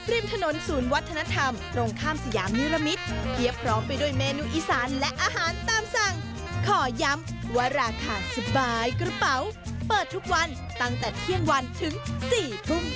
ริมถนนศูนย์วัฒนธรรมตรงข้ามสยามนิรมิตรเทียบพร้อมไปด้วยเมนูอีสานและอาหารตามสั่งขอย้ำว่าราคาสบายกระเป๋าเปิดทุกวันตั้งแต่เที่ยงวันถึง๔ทุ่ม